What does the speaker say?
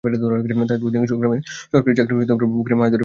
তাঁদের অধিকাংশই গ্রামের সরকারি জলাশয় রাতাল পুকুরে মাছ ধরে সংসার চালান।